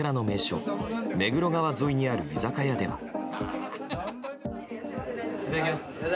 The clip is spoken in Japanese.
名所・目黒川沿いにある居酒屋では。